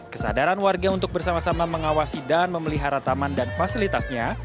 kesadaran warga untuk bersama sama mengawasi dan memelihara taman dan fasilitasnya